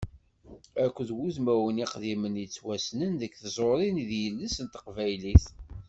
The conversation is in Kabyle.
Akked wudmawen iqdimen yettwassnen deg tẓuri d yidles n teqbaylit.